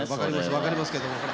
分かりますけどほら